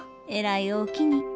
えらいおおきに。